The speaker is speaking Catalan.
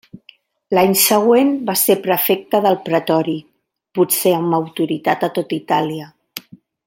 L'any següent va ser prefecte del pretori, potser amb autoritat a tota Itàlia.